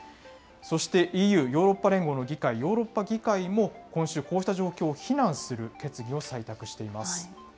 そして、ＥＵ・ヨーロッパ連合の議会、ヨーロッパ議会も、今週、こうした状況を非難する決議を採択しています。